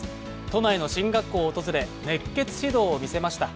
都内の進学校を訪れ熱血指導を見せました。